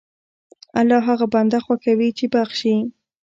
الله هغه بنده خوښوي چې بخښي.